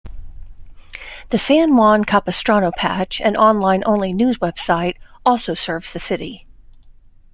"The San Juan Capistrano Patch", an online only news website, also serves the city.